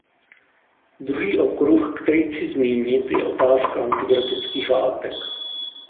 Druhý okruh, který chci zmínit, je otázka antivirotických látek.